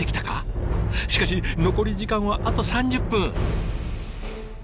しかし残り時間はあと３０分。